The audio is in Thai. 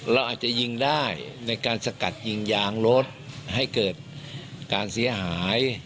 เราอาจจะยิงได้ในการสกัดยิงยางรถให้เกิดการเสียหาย